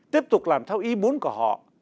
tiếp tục làm theo ý muốn của họ